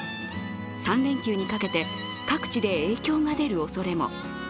３連休にかけて各地で影響が出るおそれも。